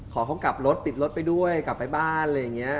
ขอเขากลับรถติดรถไปด้วยกลับไปบ้านอะไรอย่างนี้